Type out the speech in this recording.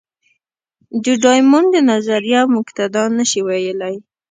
د ډایمونډ نظریه موږ ته دا نه شي ویلی.